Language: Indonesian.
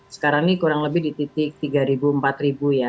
sekarang ini kurang lebih di titik rp tiga rp empat ya